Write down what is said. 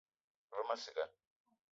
Ve ma ciga